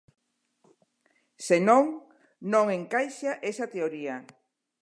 Se non, non encaixa esa teoría.